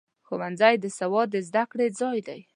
ښوونځی د سواد د زده کړې ځای دی.